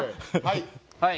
はい。